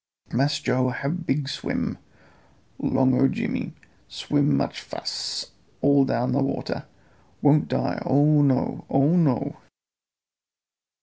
Mass Joe hab big swim 'long o' Jimmy. Swim much fass all down a water. Won't die, oh no! Oh no!"